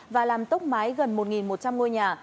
và làm tốc mái gần một một trăm linh ngôi nhà